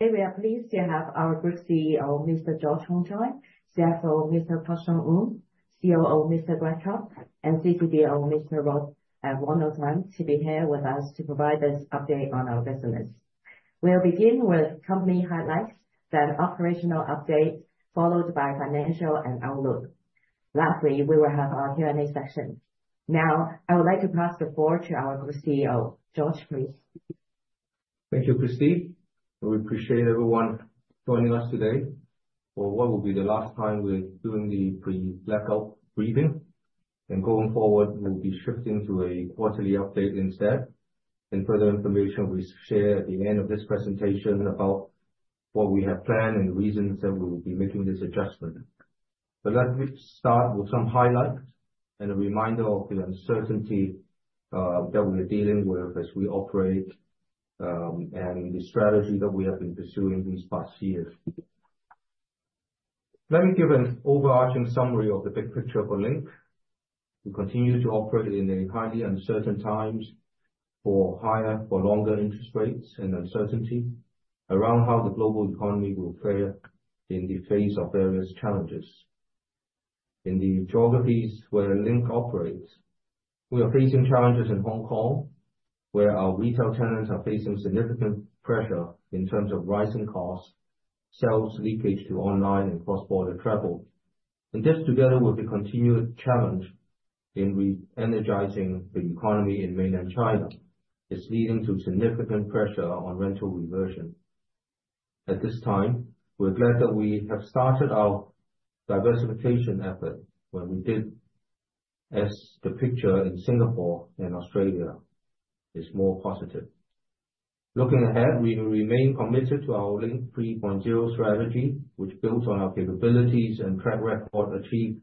Today we are pleased to have our Group CEO Mr. George Hongchoy, CFO Mr. Kok Siong Ng, COO Mr. Greg, and CCO Mr. Ronald to be here with us to provide this update on our business. We'll begin with company highlights, then operational updates, followed by financial and outlook. Lastly, we will have our Q&A session. Now I would like to pass the floor to our CEO George, please. Thank you, Christine. We appreciate everyone joining us today for what will be the last time. We are doing the pre blackout briefing and going forward we'll be shifting to a quarterly update instead. Further information we share at the end of this presentation about what we have planned and reasons that we will be making this adjustment. Let me start with some highlights and a reminder of the uncertainty that we are dealing with as we operate. The strategy that we have been. Pursuing these past years. Let me give an overarching summary of the big picture for Link. We continue to operate in highly uncertain times for higher for longer interest rates and uncertainty around how the global economy will fare in the face of various challenges in the geographies where Link operates. We are facing challenges in Hong Kong where our retail tenants are facing significant pressure in terms of rising costs, sales leakage to online and cross border travel and this together with the continued challenge in re-energizing the economy in Mainland China is leading to significant pressure on rental reversion at this time. We're glad that we have started our diversification effort when we did as the picture in Singapore and Australia is more positive. Looking ahead, we remain committed to our Link 3.0 strategy which builds on our capabilities and track record achieved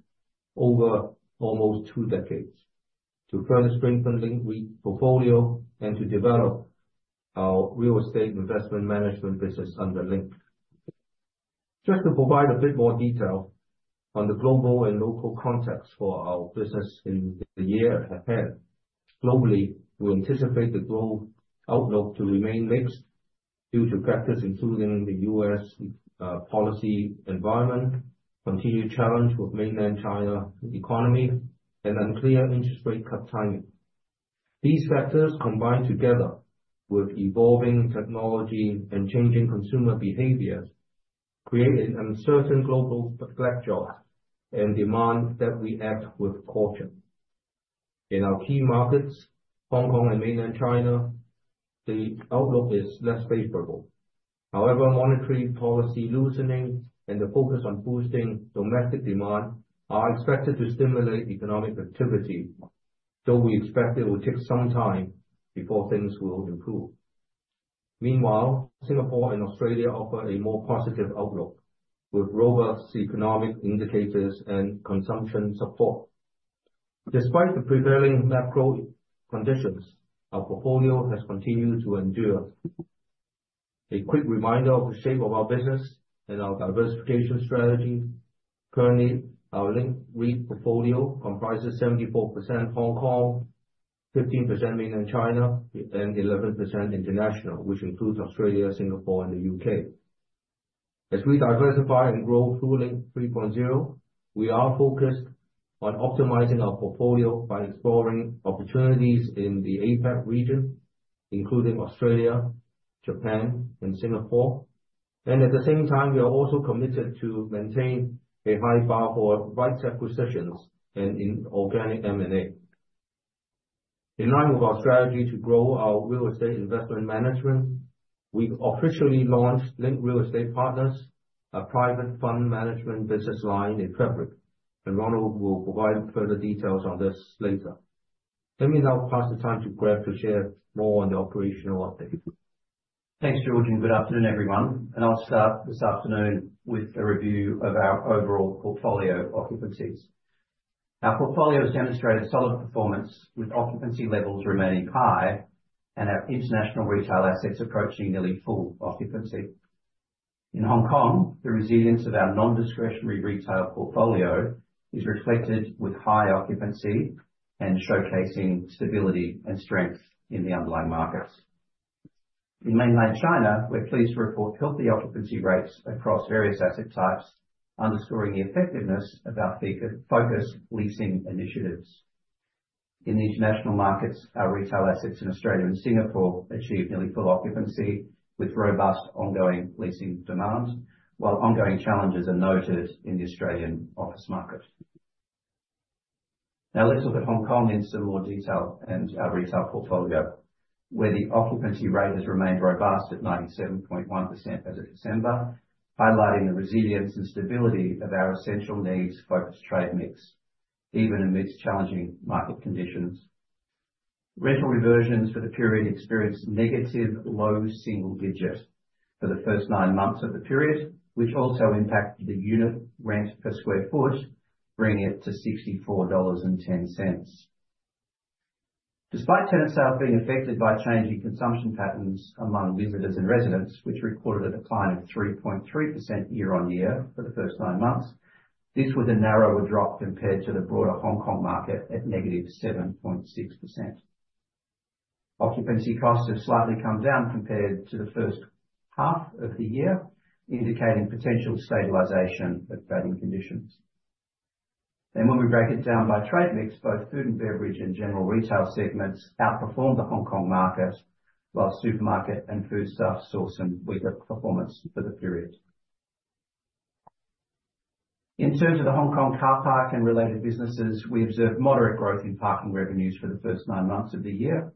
over almost two decades. To further strengthen Link, we portfolio and to develop our real estate investment management business under Link. Just to provide a bit more detail on the global and local context for our business in the year ahead, globally, we anticipate the growth outlook to remain mixed due to factors including the U.S. policy environment, continued challenge with Mainland China economy, and unclear interest rate cut timing. These factors combined together with evolving technology and changing consumer behaviors create an uncertain global flagship and demand that we act with caution. In our key markets, Hong Kong and Mainland China, the outlook is less favorable. However, monetary policy loosening and the focus on boosting domestic demand are expected to stimulate economic activity, though we expect it will take some time before things will improve. Meanwhile, Singapore and Australia offer a more positive outlook with robust economic indicators and consumption support. Despite the prevailing macro conditions, our portfolio has continued to endure. A quick reminder of the shape of our business and our Diversification Strategy. Currently, our Link REIT portfolio comprises 74% Hong Kong, 15% Mainland China and 11% international, which includes Australia, Singapore and the U.K. As we diversify and grow through Link 3.0, we are focused on optimizing our portfolio by exploring opportunities in the APAC region including Australia, Japan and Singapore. At the same time, we are also committed to maintain a high bar for rights acquisitions and inorganic M&A. In line with our strategy to grow our real estate investment management, we officially launched Link Real Estate Partners, a private fund management business line, and Ronald will provide further details on this later. Let me now pass the time to Greg to share more on the operational update. Thanks George and good afternoon everyone. I'll start this afternoon with a review of our overall portfolio occupancies. Our portfolio has demonstrated solid performance with occupancy levels remaining high and our international retail assets approaching nearly full occupancy. In Hong Kong, the resilience of our. Non discretionary retail portfolio is reflected with. High occupancy and showcasing stability and strength in the underlying markets. In Mainland China, we're pleased to report healthy occupancy rates across various asset types, underscoring the effectiveness of our focused leasing initiatives in the international markets. Our retail assets in Australia and Singapore achieved nearly full occupancy with robust ongoing leasing demands, while ongoing challenges are noted in the Australian office market. Now let's look at Hong Kong in some more detail and our retail portfolio where the occupancy rate has remained robust at 97.1% as of December, highlighting the resilience and stability of our essential needs. Focused Trade Mix even amidst challenging market conditions, rental reversions for the period experienced negative low single digit for the first nine months of the period, which also impacted the unit rent per square foot, bringing it to 64.10 dollars despite tenant sales being affected by changing consumption patterns among visitors and residents, which recorded a decline of 3.3% year-on-year for the first nine months. This was a narrower drop compared to the broader Hong Kong market at negative 7.6%. Occupancy costs have slightly come down compared. To the first half of the year. Indicating potential stabilization of trading conditions. When we break it down by trade mix, both food and beverage and general retail segments outperformed the Hong Kong market, while supermarket and foodstuff saw some weaker performance for the period. In terms of the Hong Kong car park and related businesses, we observed moderate growth in parking revenues for the first nine months of the year,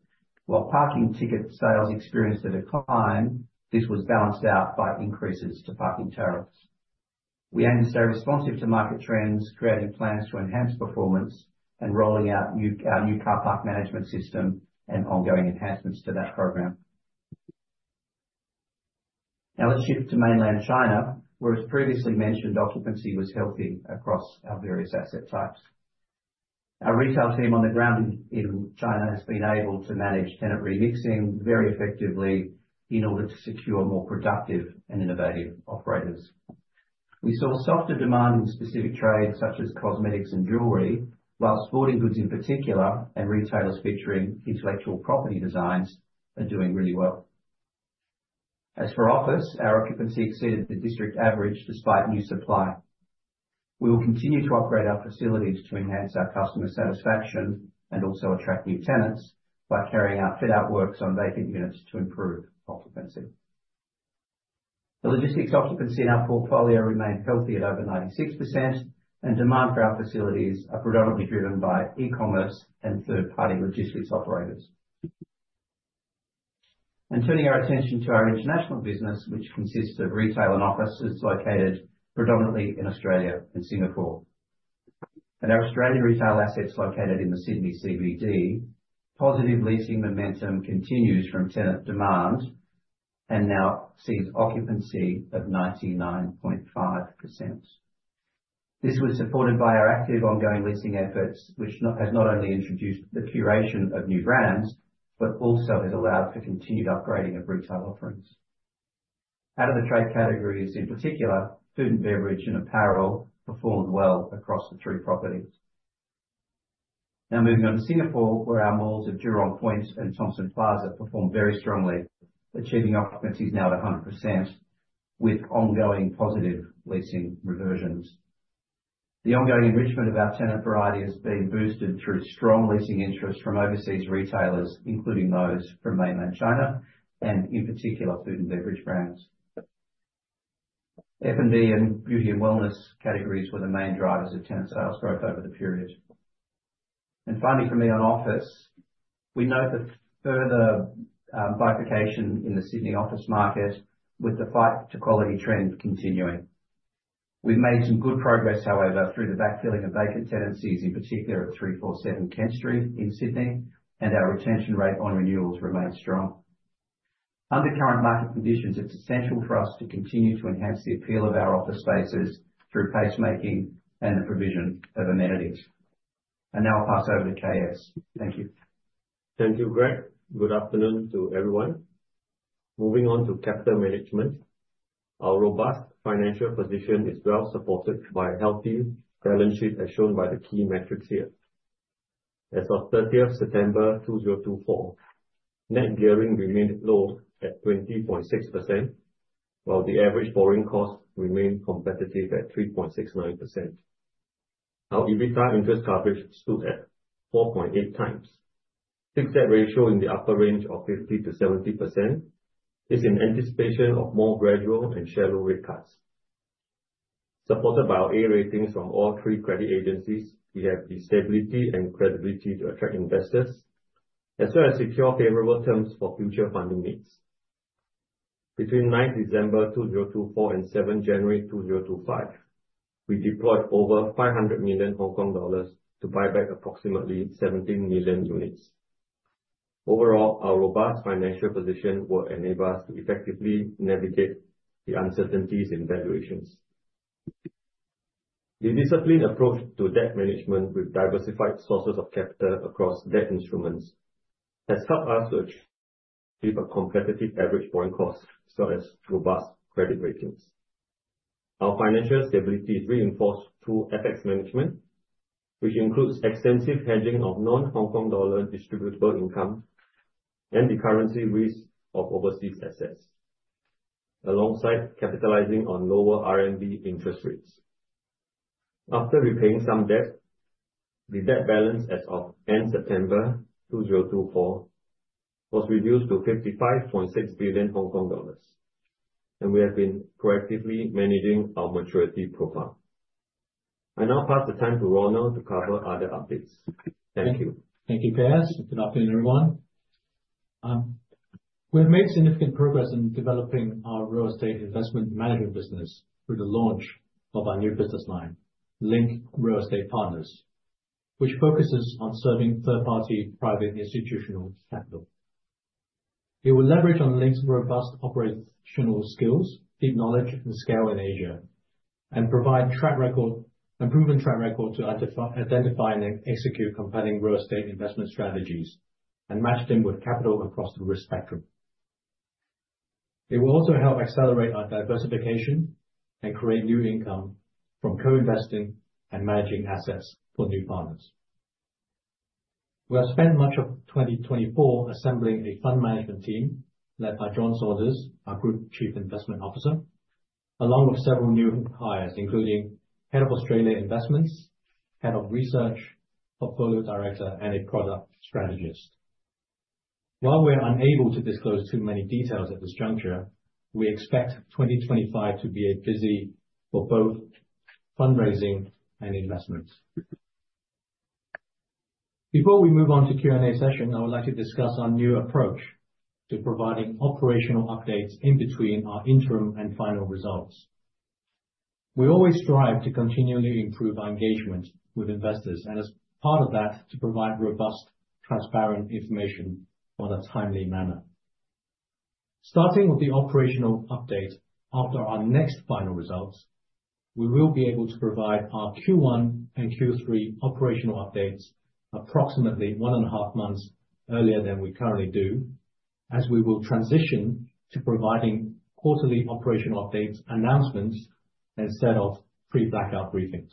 while parking ticket sales experienced a decline. This was balanced out by increases to parking tariffs. We aim to stay responsive to market trends, creating plans to enhance performance and rolling out our new car park management system and ongoing enhancements to that program. Now let's shift to Mainland China where as previously mentioned, occupancy was healthy across our various asset types. Our retail team on the ground in. China has been able to manage tenant remixing very effectively in order to secure more productive and innovative operators. We saw softer demand in specific trades such as cosmetics and jewelry, while sporting goods in particular and retailers featuring intellectual property designs are doing really well. As for office, our occupancy exceeded the district average. Despite new supply, we will continue to operate our facilities to enhance our customer satisfaction and also attract new tenants by carrying out fit out works on vacant units to improve occupancy. The logistics occupancy in our portfolio remains healthy at over 96% and demand for our facilities is predominantly driven by e-commerce and third-party logistics operators. Turning our attention to our international business, which consists of retail and offices located predominantly in Australia and Singapore, our Australian retail assets located in the Sydney CBD, positive leasing momentum continues from tenant demand and now sees occupancy of 99.5%. This was supported by our active ongoing leasing efforts, which has not only introduced the curation of new brands but also has allowed for continued upgrading of retail. Offerings out of the trade categories. In particular, food and beverage and apparel performed well across the three properties. Now moving on to Singapore where our malls of Jurong Point and Thomson Plaza performed very strongly, achieving occupancies now at 100% with ongoing positive leasing reversions. The ongoing enrichment of our tenant variety has been boosted through strong leasing interest from overseas retailers including those from Mainland China and in particular food and beverage brands. F and B and beauty and wellness. Categories were the main drivers of tenant sales growth over the period. Finally for me on office, we note the further bifurcation in the Sydney office market with the fight to quality trend continuing. We have made some good progress, however, through the backfilling of vacant tenancies, in particular at 347 Kent Street in Sydney, and our retention rate on renewals remains strong under current market conditions. It is essential for us to continue to enhance the appeal of our office spaces through placemaking and the provision of amenities, and now I will pass over to KS. Thank you, thank you Greg. Good afternoon to everyone. Moving on to capital management, our robust financial position is well supported by a healthy balance sheet as shown by the key metrics here. As of 30th September 2024, net gearing remained low at 20.6% while the average borrowing cost remained competitive at 3.69%. Our EBITDA interest coverage stood at 4.8 times. That ratio in the upper range of 50-70% is in anticipation of more gradual and shallow rate cuts. Supported by our A ratings from all three credit agencies, we have the stability and credibility to attract investors as well as secure favorable terms for future funding needs. Between 9th December 2024 and 7th January 2025, we deployed over 500 million Hong Kong dollars to buy back approximately 17 million units. Overall, our robust financial position will enable us to effectively navigate the uncertainties in valuations. The disciplined approach to debt management with diversified sources of capital across debt instruments has helped us to achieve a competitive average borrowing cost as well as robust credit ratings. Our financial stability is reinforced through FX management which includes extensive hedging of non Hong Kong dollar distributable income and the currency risk of overseas assets alongside capitalizing on lower RMB interest rates after repaying some debt. The debt balance as of the end of September 2024 was reduced to 55.6 billion Hong Kong dollars and we have been proactively managing our maturity profile. I now pass the time to Ronald to cover other updates. Thank you, thank you peers. Good afternoon everyone. We have made significant progress in developing our real estate investment management business through the launch of our new business line Link Real Estate Partners, which focuses on serving third party private institutional capital. It will leverage on Link's robust operational skills, deep knowledge and scale in Asia, and provide track record and proven track record to identify and execute compelling real estate investment strategies and match them with. Capital across the risk spectrum. It will also help accelerate our diversification and create new income from co-investing and managing assets for new partners. We have spent much of 2024 assembling a fund management team led by John Saunders, our Group Chief Investment Officer, along with several new hires including Head of Australia Investments, Head of Research, Portfolio Director, and a Product Strategist. While we are unable to disclose too many details at this juncture, we expect 2025 to be a busy year for both fundraising and investments. Before we move on to the Q&A session, I would like to discuss our new approach to providing operational updates in between our interim and final results. We always strive to continually improve our engagement with investors and as part of that to provide robust, transparent information on a timely manner starting with the operational update. After our next final results, we will be able to provide our Q1 and Q3 operational updates approximately one and a half months earlier than we currently do as we will transition to providing quarterly operational updates announcements instead of pre blackout briefings.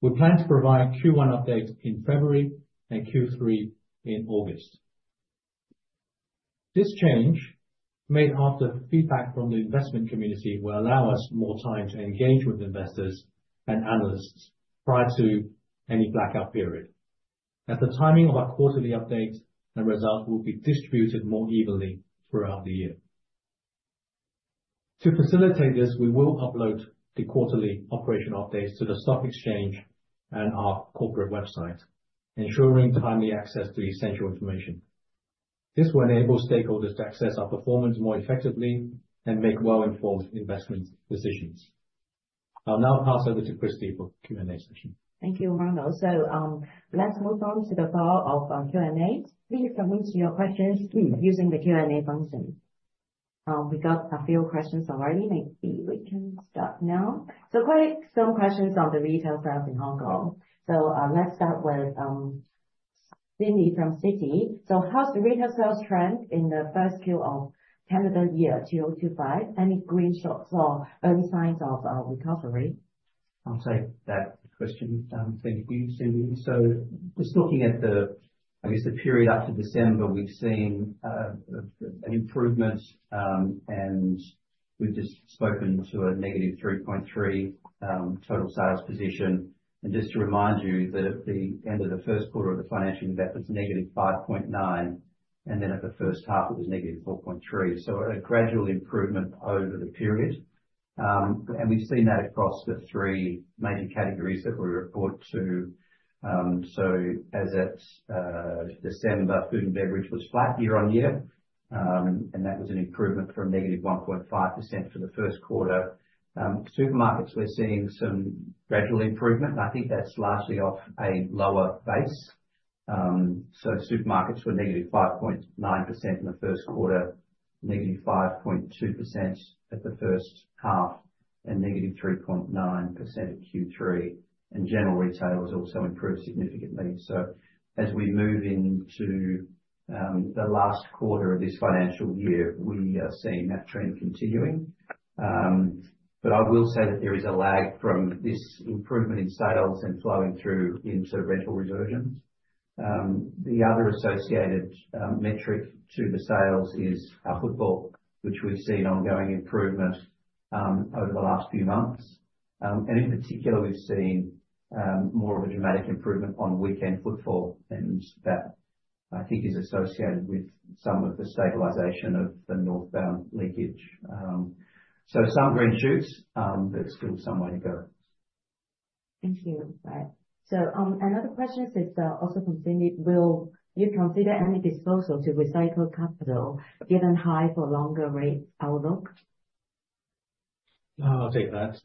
We plan to provide Q1 updates in February and Q3 in August. This change, made after feedback from the investment community, will allow us more time to engage with investors analysts prior to any blackout period as the timing of our quarterly updates and results will be distributed more evenly throughout the year. To facilitate this, we will upload the quarterly operational updates to the stock Exchange and our corporate website, ensuring timely access to essential information. This will enable stakeholders to access our performance more effectively and make well informed investment decisions. I'll now pass over to Christy for. Q&A session. Thank you, Ronald. Let's move on to the floor of Q&A. Please submit your questions using the Q&A function. We got a few questions already, maybe we can start now. Quite some questions on the retail crowds in Hong Kong. Let's start with Cindy from Citi. How's the retail sales trend in the first Q of calendar year 2025? Any green shoots? Any signs of recovery? I'll take that question. Thank you, Cindy. Just looking at the, I guess, the period up to December, we've seen an improvement and we've just spoken to a negative 3.3% total sales position. Just to remind you that at the end of the first quarter of the financial impact, it's negative 5.9%, and then at the first half it was negative 4.3%. A gradual improvement over the period, and we've seen that across the three major categories that we report to. As at December, food and beverage was flat year on year, and that was an improvement from negative 1.5% for the first quarter. Supermarkets, we're seeing some gradual improvement, and I think that's largely off a lower base. Supermarkets were negative 5.9% in the first quarter, negative 5.2% at the first half, and negative 3.9% at Q3. General retail has also improved significantly. As we move into the last quarter of this financial year, we are seeing that trend continuing. I will say that there is a lag from this improvement in sales and flowing through into rental reserves. The other associated metric to the sales is our footfall, which we've seen ongoing improvement over the last few months and in particular we've seen more of a dramatic improvement on weekend footfall and that I think is associated with some of the stabilization of the northbound leakage. Some green shoots but still some way to go. Thank you. Another question is also from Cindy. Will you consider any disposal to recycle capital given high for longer rate outlook? I'll take that.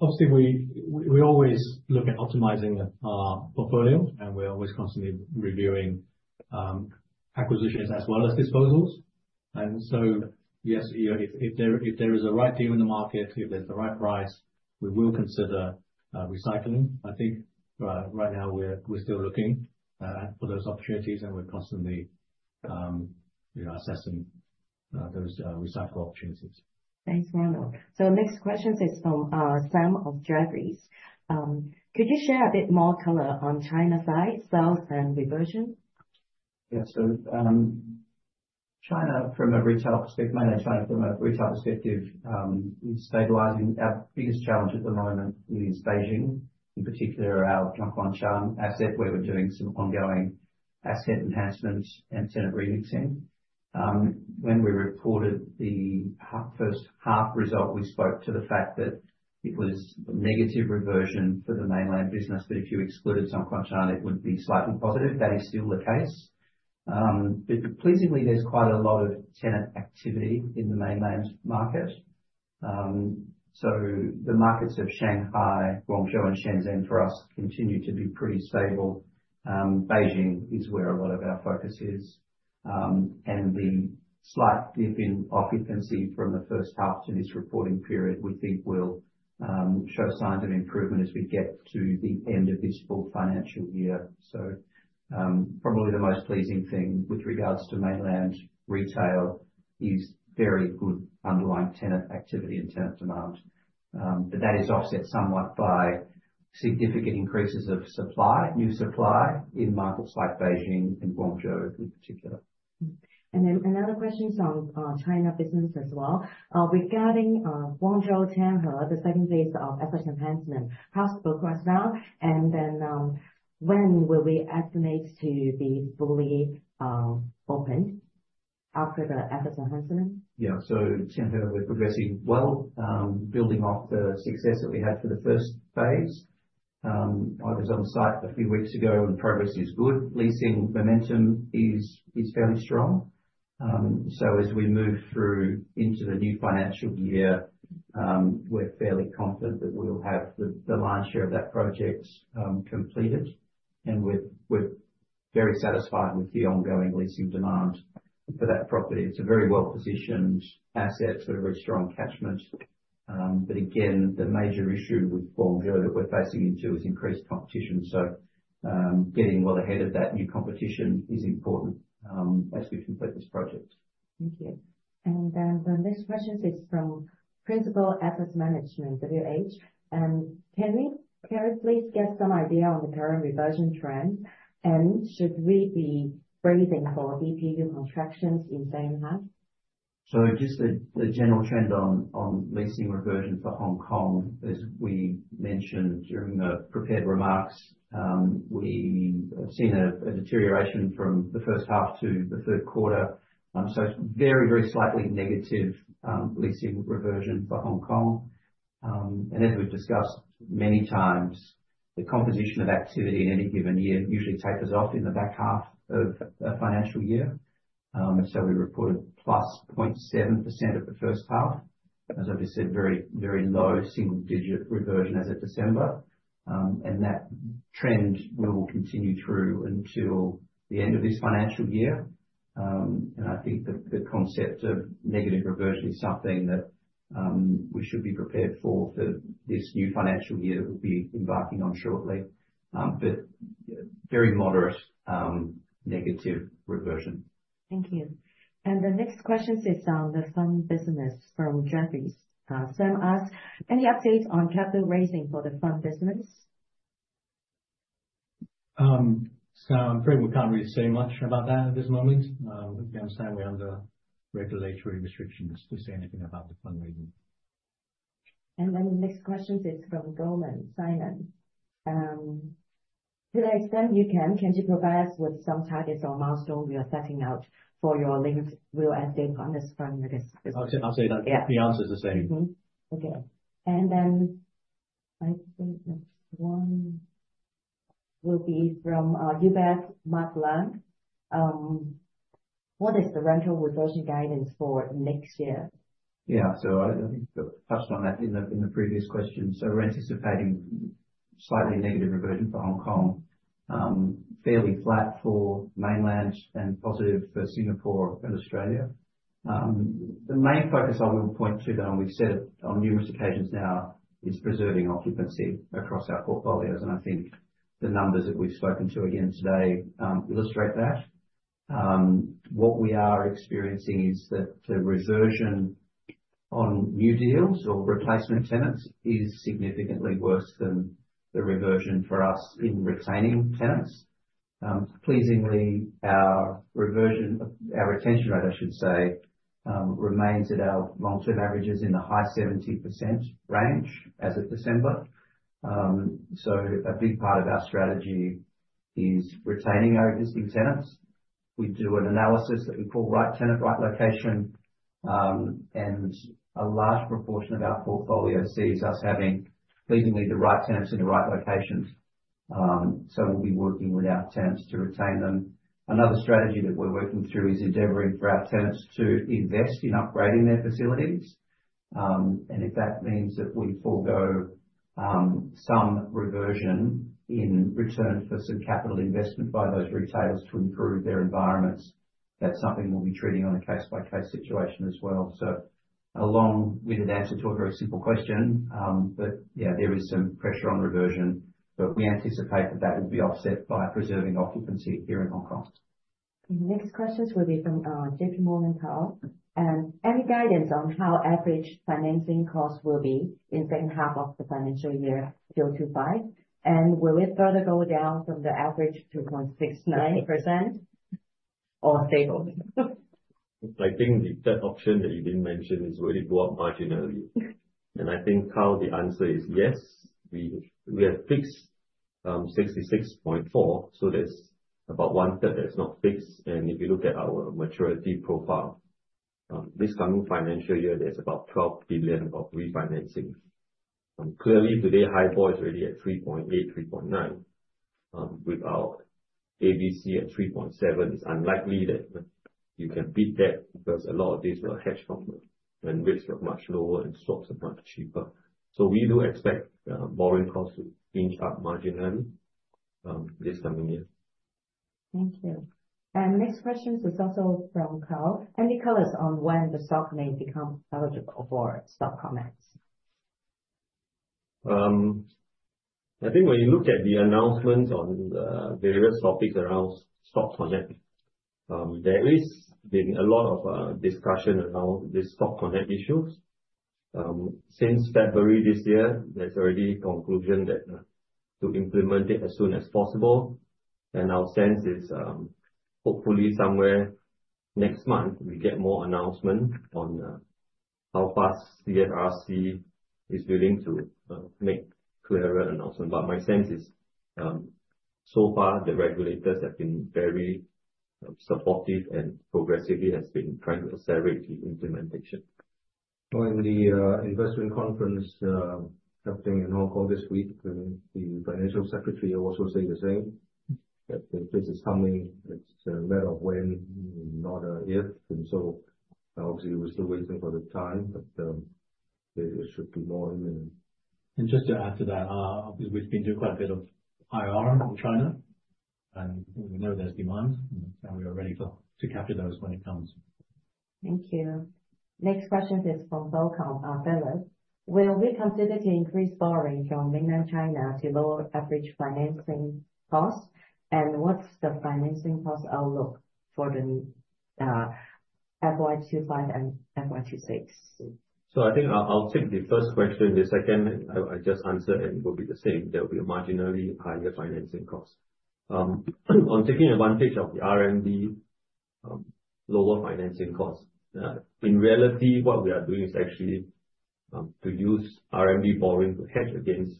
Obviously we always look at optimizing our portfolio and we're always constantly reviewing acquisitions as well as disposals. Yes, if there is a right deal in the market, if there's the right price, we will consider recycling. I think right now we're still looking. For those opportunities and we're constantly assessing those recycle opportunities. Thanks, Ronald. Next question is from Sam of Dragris. Could you share a bit more color on China side sales and reversion? Yes, China from a retail perspective, mainly China from a retail perspective is stabilizing. Our biggest challenge at the moment is Beijing, in particular our asset where we're doing some ongoing asset enhancements and tenant remixing. When we reported the first half result, we spoke to the fact that it was negative reversion for the mainland business. If you excluded Zhongguancun, it would be slightly positive. That is still the case. Pleasingly, there's quite a lot of tenant activity in the mainland market. The markets of Shanghai, Guangzhou and Shenzhen for us continue to be pretty stable. Beijing is where a lot of our focus is, and the slight dip in occupancy from the first half to this reporting period we think will show signs of improvement as we get to the end of this full financial year. Probably the most pleasing thing with regards to mainland retail is very good underlying tenant activity and tenant demand. That is offset somewhat by significant increases of supply, new supply in markets like Beijing and Guangzhou in particular. Another question from China business as well regarding Guangzhou Tianhe, the second phase of asset enhancement, how's the book right now? When will we estimate to be fully opened after the asset enhancement? Yeah, so we're progressing well, building off the success that we had for the first phase. I was on site a few weeks. Ago and progress is good. Leasing momentum is fairly strong. As we move through into the new financial year, we're fairly confident that we'll have the lion's share of that project completed. We're very satisfied with the ongoing leasing demand for that property. It's a very well positioned asset, with a very strong catchment. The major issue with Guangzhou that we're facing is increased competition. Getting well ahead of that new competition is important as we complete this project. Thank you. The next question is from Principal Asset Management, and can we please get some idea on the current reversion trend and should we be bracing for DPU contractions in same half? Just the general trend on leasing. Reversion for Hong Kong. As we mentioned during the prepared remarks, we have seen a deterioration from the. First half to the third quarter. Very, very slightly negative leasing reversion for Hong Kong. As we've discussed many times, the composition of activity in any given year usually tapers off in the back half of a financial year. We reported +0.7% for the first half, as I just said, very, very low single digit reversion as of December. That trend will continue through until the end of this financial year. I think that the concept of negative reversion is something that we should be prepared for for this new financial year we'll be embarking on shortly. Very moderate negative reversion. Thank you. The next question is on the fund business from Jefferies. Sam asks any updates on capital raising for the fund business? I'm afraid we can't really say much about that at this moment. We understand we're under regulatory restrictions too. Say anything about the fundraising. The next question is from Goldman Simon. To the extent you can, can you provide us with some targets or milestone we are setting out for? Your Link will end on this. From this, I'll say that the answer is the same. Okay, I think next one will be from UBS's Mark Leung. What is the rental reversion guidance for next year? Yeah, I touched on that in the previous question. We are anticipating slightly negative reversion for Hong Kong, fairly flat for Mainland and positive for Singapore and Australia. The main focus I will point to, though, and we have said it on numerous occasions now, is preserving occupancy across our portfolios. I think the numbers that we have spoken to again today illustrate that what we are experiencing is that the reversion on new deals or replacement tenants is significantly worse than the reversion for us in retaining tenants. Pleasingly, our retention rate, I should say, remains at our long-term averages in the high 70% range as of December. A big part of our strategy is retaining our existing tenants. We do an analysis that we call right tenant, right location, and a large proportion of our portfolio sees us having pleasingly the right tenants in the right locations. We will be working with our tenants to retain them. Another strategy that we are working through is endeavoring for our tenants to invest in upgrading their facilities. If that means that we forego some reversion in return for some capital investment by those retailers to improve their environments, that is something we will be treating on a case by case situation as well. A long winded answer to a very simple question. Yeah, there is some pressure on reversion but we anticipate that will be offset by preserving occupancy here in Hong Kong. Next question will be from JP Morgan. Kyle, any guidance on how average financing costs will be in second half of the financial year 2025 and will it further go down from the average 2.69% or stable? I think the third option that you didn't mention is where it go up marginally and I think Kyle, the answer is yes, we have fixed 66.4% so there's about one third that's not fixed. If you look at our maturity profile this coming financial year there's about 12 billion of refinancing. Clearly today HIBOR is already at 3.8%, 3.9% without ABC at 3.7%. It's unlikely that you can beat that because a lot of these were hedge fund and rates are much lower and stocks are much cheaper. We do expect borrowing costs to inch up marginally this coming year. Thank you. Next question is also from Kyle. Any colors on when the stock may become eligible for stock comments? I think when you look at the announcements on various topics around stocks on that there has been a lot of discussion around this stock connect issue since February this year. There is already conclusion that to implement it as soon as possible and our sense is hopefully somewhere next month we get more announcement on how fast CFRC is willing to make clearer announcements. My sense is so far the regulators have been very supportive and progressively have been trying to accelerate the implementation. In the investment conference this week the Financial Secretary also said the same this is coming, it's a matter of when, not if. Obviously we're still waiting for the time but there should be more. Just to add to that, we've. Been doing quite a bit of IR in China and we know there's demand and we are ready to capture those when it comes. Thank you. Next question is from will we consider to increase borrowing from Mainland China to lower average financing costs and what's the financing cost outlook for the FY25 and FY26? I think I'll take the first. Question the second I just answered and will be the same. There will be a marginally higher financing cost on taking advantage of the RMB lower financing cost. In reality what we are doing is actually to use RMB borrowing to hedge against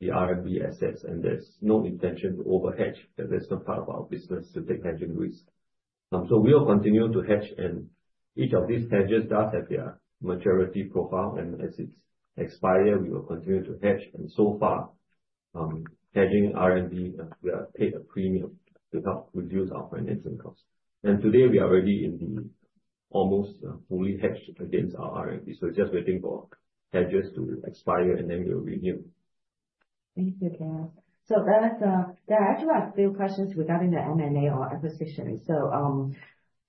the RMB assets and there's no intention to over hedge because that's not part of our business to take hedging risk. We will continue to hedge and each of these hedges does have their maturity profile and as it expires we will continue to hedge. So far hedging RMB will pay a premium to help reduce our financing costs and today we are already in the almost fully hedged against our RMB. Just waiting for hedges to expire and then we will renew. Thank you Karen. There are actually a few questions regarding the M&A or acquisition.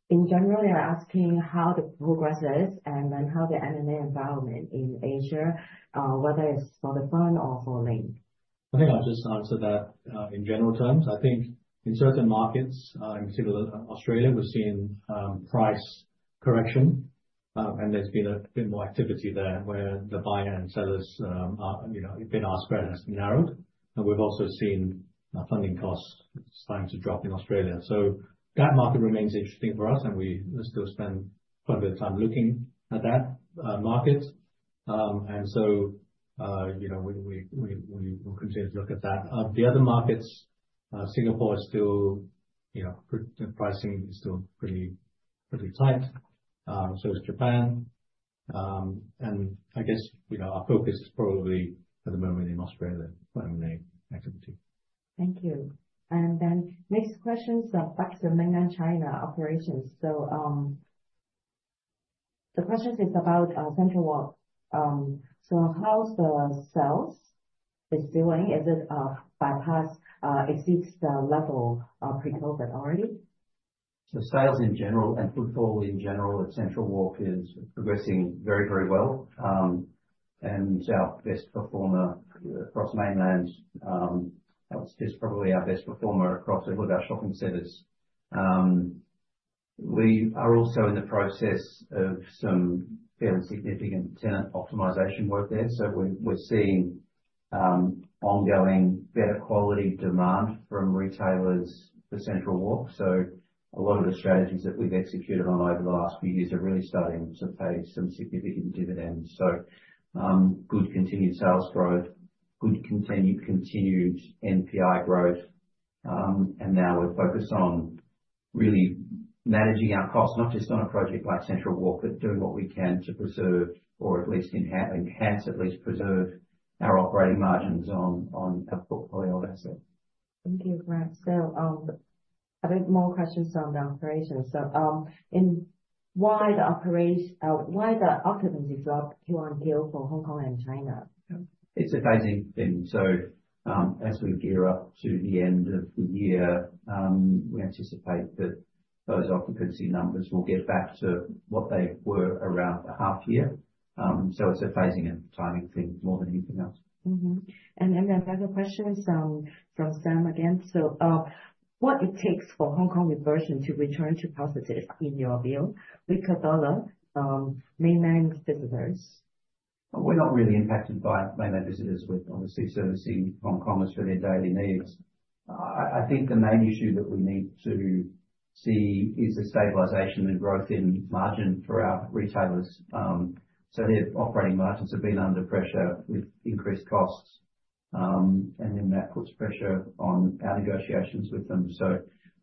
In general they are asking how the progress is and then how the M&A environment in Asia is, whether it's for the fund or for Link I think. I'll just answer that in general terms. I think in certain markets, in particular Australia, we've seen price correction and there's been a bit more activity there where the buyer and seller's credit has narrowed and we've also seen funding costs starting. To drop in Australia. That market remains interesting for us and we still spend quite a bit of time looking at that market. You know we will continue to. Look at that the other markets, Singapore. Is still, you know, pricing is still. Pretty, pretty tight, so is Japan and I guess our focus is probably at. The moment in Australia. Thank you. Next question back to Mainland China operations. The question is about Central Walk. How's the sales is doing? Is it bypass exceeds the level pre. Covid already so sales in general and footfall in general at Central Walk is progressing very very well and our best performer across Mainland is probably our best performer across all of our shopping centres. We are also in the process of some fairly significant tenant optimisation work there. We are seeing ongoing better quality demand from retailers for Central Walk. A lot of the strategies that we have executed on over the last few years are really starting to pay some significant dividends. Good continued sales growth, good continued NPI growth and now we are focused. On really managing our costs, not just. On a project like Central Walk but doing what we can to preserve or at least enhance, at least preserve, our operating margins on our portfolio of assets. Thank you. A bit more questions on the operations in why the operation? Why the occupancy drop? Q&Q for Hong Kong and China, it's amazing thing. As we gear up to the. End of the year. We anticipate that those occupancy numbers will get back to what they were around the half year. It is a phasing and timing thing. More than anything else. Another question from Sam again. What does it take for Hong Kong reversion to return to positive in your view? We could mainland visitors. We're not really impacted by Mainland visitors with obviously servicing Hong Kong commerce for their daily needs. I think the main issue that we need to see is the stabilization and growth in margin for our retailers. Their operating margins have been under pressure with increased costs and that puts pressure on our negotiations with them.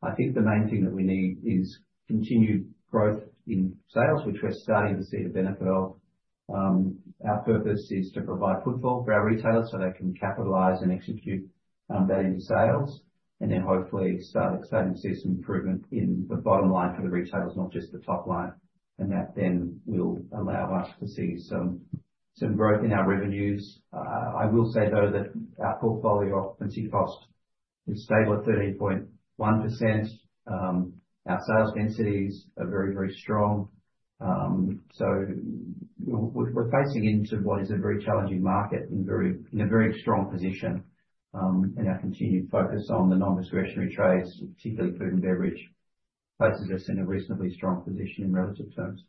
I think the main thing that. we need is continued growth in sales, which we're starting to see the benefit of. Our purpose is to provide footfall for our retailers so they can capitalize and execute that in sales and then hopefully start to see some improvement in the bottom line for the retailers, not just the top line. That will allow us to see some growth in our revenues. I will say though that our portfolio occupancy cost is stable at 13.1%. Our sales densities are very, very strong. We are facing into what is a very challenging market in a very strong position. Our continued focus on the non-discretionary trades, particularly food and beverage, places us in a reasonably strong position in relative terms.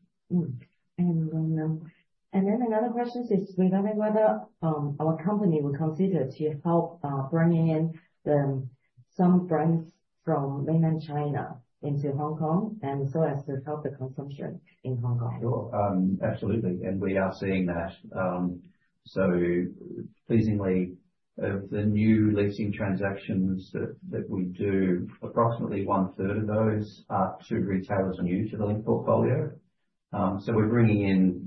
Another question is regarding whether our company will consider to help bring in some brands from Mainland China into Hong Kong and so as to help the consumption in Hong Kong. Absolutely, and we are seeing that so pleasingly. Of the new leasing transactions that we do, approximately one third of those to retailers are new to the Link portfolio. You know, we're bringing in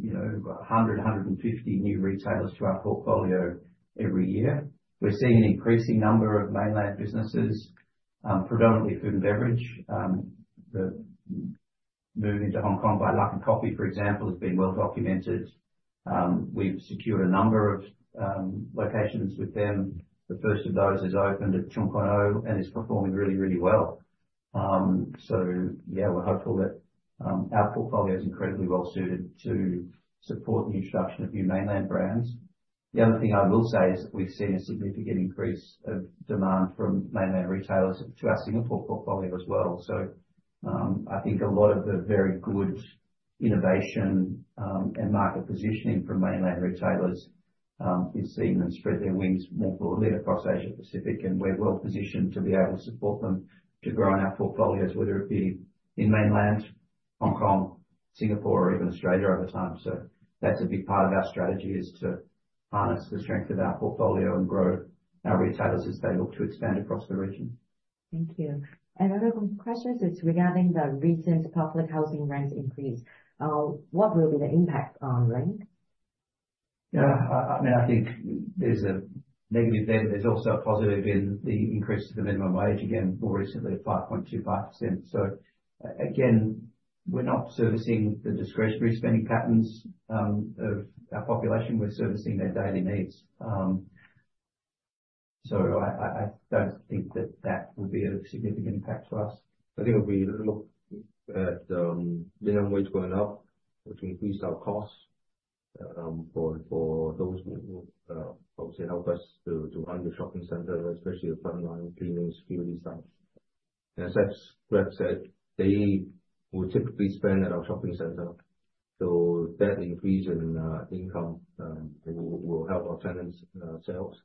100. 150 new retailers to our portfolio every year. We're seeing an increasing number of Mainland businesses, predominantly food and beverage. The move into Hong Kong by Link. Coffee, for example, has been well documented. We've secured a number of locations with them. The first of those is opened at Chung Kwan O and it's performing really, really well. Yeah, we're hopeful that our portfolio is incredibly well suited to support the introduction of new mainland brands. The other thing I will say is that we've seen a significant increase of demand from Mainland retailers to our Singapore portfolio as well. I think a lot of the very good innovation and market positioning from mainland retailers is seeing them spread their wings more broadly across Asia Pacific. We're well positioned to be able to support them to grow in our portfolios, whether it be in Mainland, Hong Kong, Singapore or even Australia over time. That's a big part of our strategy is to harness the strength of our portfolio and grow our retailers as they look to expand across the region. Thank you. Another question is regarding the recent public housing rent increase. What will be the impact on rent? Yeah, I mean I think there's a. Negative there, but there's also a positive. In the increase to the minimum wage again more recently 5.25%. We are not servicing the discretionary spending patterns of our population, we are servicing their daily needs. I do not think that that would be a significant impact to us. I think if we look at minimum wage going up, which increased our costs for those who help us to run the shopping center, especially the frontline cleaning security site, as Greg said, they will typically spend at our shopping center. That increase in income will help our tenants' sales.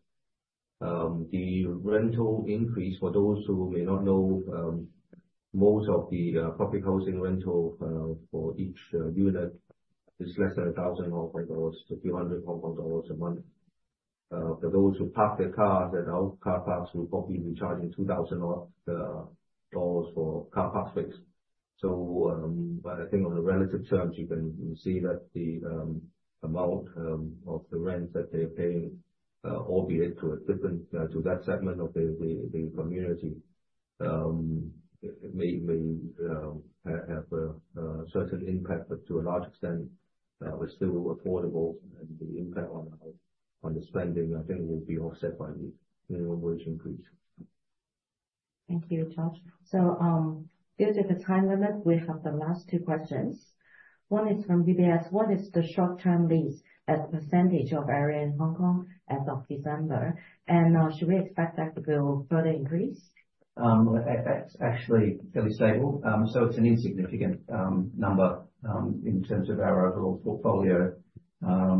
The rental increase for those who may not know, most of the public housing rental for each unit is less than 1,000 Hong Kong dollars to 200,000 Hong Kong dollars a month for those who park their cars. Our car parks will probably be charging 2,000 dollars for car park space. I think on the relative terms you can see that the amount of the rent that they're paying, albeit to a different to that segment of the community, means have a certain impact but to a large extent we're still affordable. The impact on the spending I think will be offset by the minimum wage increase. Thank you, Josh. Due to the time limit we have the last two questions. One is from DBS, what is the short term lease as a percentage of area in Hong Kong as of December and should we expect that will further increase? That's actually fairly stable. It is an insignificant number in terms of our overall portfolio. I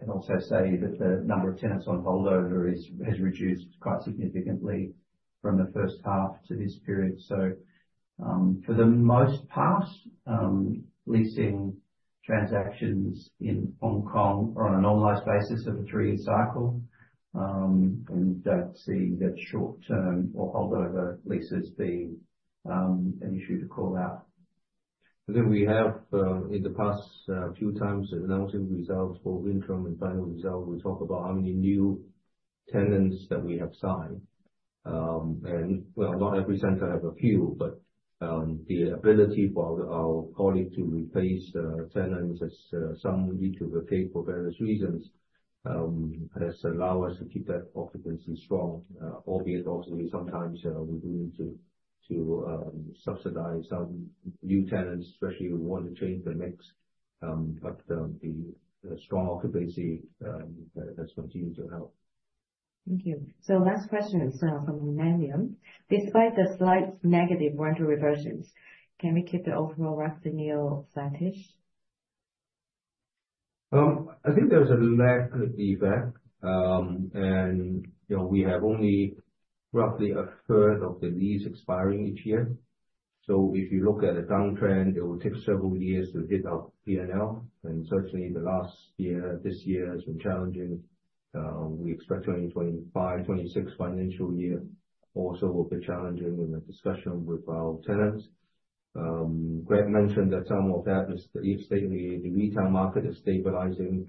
can also say that the number of tenants on holdover has reduced quite significantly from the first half to this period. For the most part, leasing transactions in Hong Kong are on a normalised basis of a three year cycle and do not see that short term or holdover leases being an issue to call out. I think we have in the past few times announcing results both interim and final result. We talk about how many new tenants that we have signed and, well, not every center have a few. The ability for our colleague to replace tenants as some need to vacate for various reasons has allowed us to keep that occupancy strong. Obviously sometimes we do need to subsidize some new tenants, especially we want to change the mix. The strong occupancy has continued to help. Thank you. The last question is from Millennium. Despite the slight negative rental reversions, can we keep the overall vaccine? I think there's a lag effect and we have only roughly a third of the lease expiring each year. If you look at the downtrend, it will take several years to hit our P&L and certainly the last year this year has been challenging. We expect 2025-2026 financial year also will be challenging. In the discussion with our tenants, Greg mentioned that some of that is taking the retail market is stabilizing,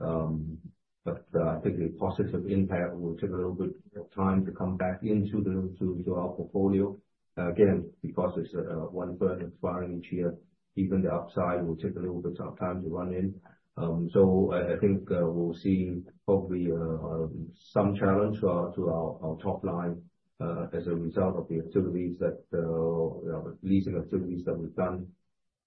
but I think the positive impact will take a little bit of time to come back into the portfolio again because it's one third expiring each year. Even the upside will take a little. Bit of time to run in. I think we'll see probably some challenge to our top line as a result of the activities, the leasing activities that we've done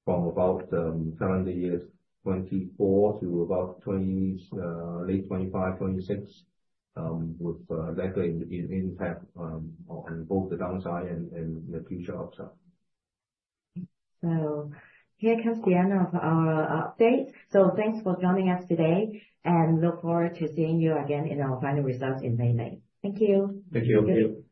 from about calendar years 2024 to about late 2025, 2026, with likely impact on both the downside and the future upside. Here comes the end of our update. Thanks for joining us today and look forward to seeing you again in our final results in Mainland. Thank you. Thank you. Thank.